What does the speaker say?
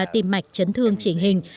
tìm mạch chấn thương chỉnh hình